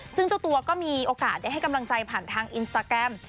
ซึ่งเจ้าตัวก็มีโอกาสได้ให้กำลังใจผ่านทางอินสตาแกรม